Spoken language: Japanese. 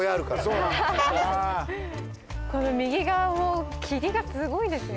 右側も霧がすごいですよ。